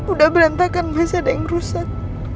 udah berantakan pasti ada yang rusak